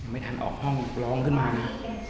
ไม่ทันออกห้องร้องขึ้นมานะ